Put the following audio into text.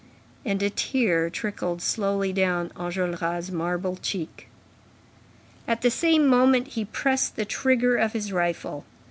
And a tear trickled slowly down Enjolras' marble cheek. At the same moment, he pressed the trigger of his rifle.